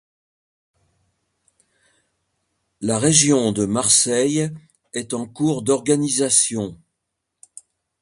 La région de Marseille est en cours d'organisation.